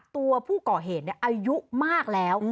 ตัวผู้ก่อเหตุอายุมากแล้ว